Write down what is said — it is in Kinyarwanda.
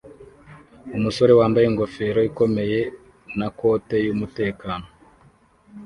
Umusore wambaye ingofero ikomeye na kote yumutekano